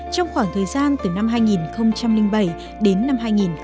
trong khoảng thời gian từ năm hai nghìn bảy đến năm hai nghìn một mươi